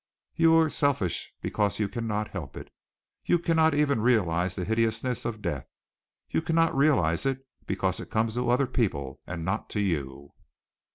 You are selfish because you cannot help it. You cannot even realize the hideousness of death! You cannot realize it because it comes to other people, and not to you!"